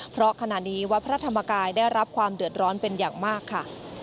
เพราะขณะนี้วัดพระธรรมกายได้รับความเดือดร้อนเป็นอย่างมากค่ะ